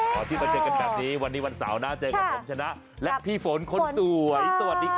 วันที่มาเจอกันแบบนี้วันนี้วันเสาร์นะเจอกับผมชนะและพี่ฝนคนสวยสวัสดีค่ะ